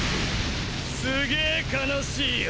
すげえ悲しいよ。